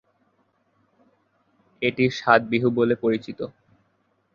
এটি "সাত বিহু" বলে পরিচিত।